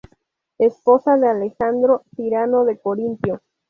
Esposa de Alejandro, tirano de Corinto.